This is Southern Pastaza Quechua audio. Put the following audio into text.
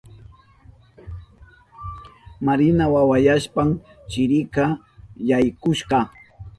Marina wawayashpan chirika yaykushka.